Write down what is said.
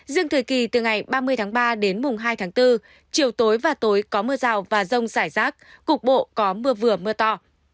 riêng thời kỳ từ ngày ba mươi tháng ba đến mùng hai tháng bốn chiều tối và tối có mưa rào và rông rải rác cục bộ có mưa vừa mưa to